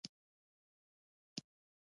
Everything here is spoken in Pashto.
خلکو نورې کیسې هم په بابا پورې تړل.